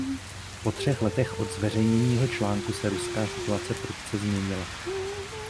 Po třech letech od zveřejnění jeho článku se ruská situace prudce změnila.